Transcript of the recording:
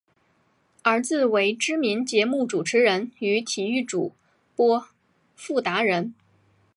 儿子为知名节目主持人与体育主播傅达仁。